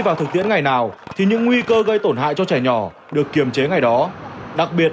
vào thực tiễn ngày nào thì những nguy cơ gây tổn hại cho trẻ nhỏ được kiềm chế ngày đó đặc biệt